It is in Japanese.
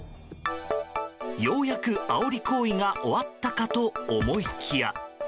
ようやくあおり行為が終わったかと思いきや。